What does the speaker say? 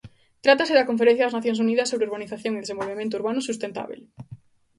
Trátase da Conferencia das Nacións Unidas sobre Urbanización e Desenvolvemento Urbano Sustentábel.